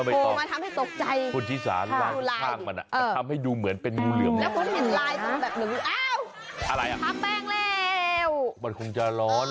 ดูดิน่ารักด้วยอึ้งอังไม่เอาอ่ะโอ้ย